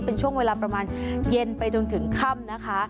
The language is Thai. เป็นช่วงเวลาประมาณเย็นไปจนถึงค่ำนะคะ